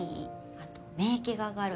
あと免疫が上がる。